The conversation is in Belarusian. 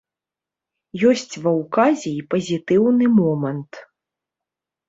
Ёсць ва ўказе і пазітыўны момант.